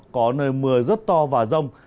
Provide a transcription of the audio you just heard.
có nơi mưa rất to và rông